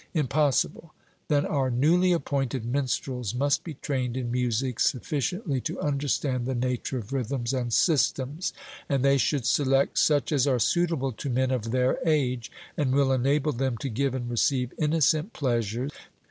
'Impossible.' Then our newly appointed minstrels must be trained in music sufficiently to understand the nature of rhythms and systems; and they should select such as are suitable to men of their age, and will enable them to give and receive innocent pleasure.